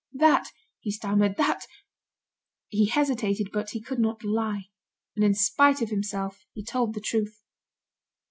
"That," he stammered, "that " He hesitated, but he could not lie, and in spite of himself, he told the truth.